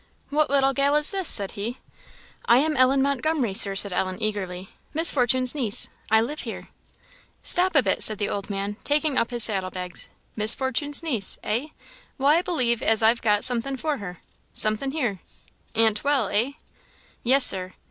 "What little gal is this?" said he. "I am Ellen Montgomery, Sir," said Ellen, eagerly, "Miss Fortune's niece I live here." "Stop a bit," said the old man, taking up his saddle bags; "Miss Fortune's niece, eh? Well, I believe as I've got somethin' for her somethin' here. Aunt well, eh?" "Yes, Sir."